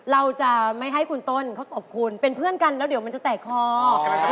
เราจะไม่ให้คุณต้นเขาขอบคุณเป็นเพื่อนกันแล้วเดี๋ยวมันจะแตกคอ